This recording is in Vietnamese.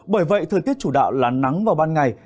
bởi vậy thời tiết chủ đạo là nắng vào ban ngày